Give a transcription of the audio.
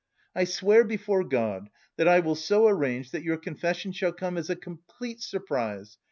I swear before God that I will so arrange that your confession shall come as a complete surprise.